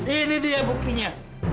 ini dia bukinya